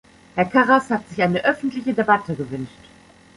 Herr Karas hat sich eine öffentliche Debatte gewünscht.